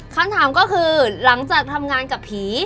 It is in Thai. คำถามก็คือหลังจากทำงานกับผี